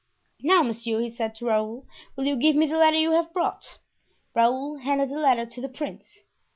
"Now, monsieur," he said to Raoul, "will you give me the letter you have brought?" Raoul handed the letter to the prince.